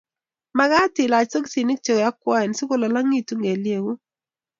mekat ilach sokisinik che yokwoen si ku lolong' itun kelyekuk